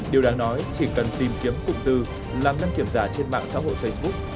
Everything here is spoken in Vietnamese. điều đáng nói chỉ cần tìm kiếm cụm từ làm đăng kiểm giả trên mạng xã hội facebook